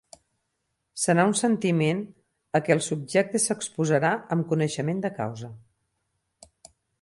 Serà un sentiment a què el subjecte s'exposarà amb coneixement de causa.